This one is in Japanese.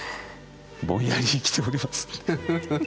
ぼんやり生きております。